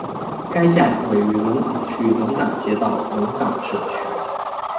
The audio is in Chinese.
该站位于龙岗区龙岗街道龙岗社区。